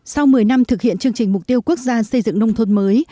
sau một mươi năm thực hiện chương trình mục tiêu quốc gia xây dựng nông thôn mới